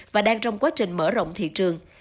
và đang trong quá trình mở rộng thị trường